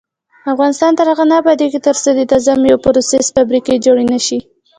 افغانستان تر هغو نه ابادیږي، ترڅو د تازه میوو پروسس فابریکې جوړې نشي.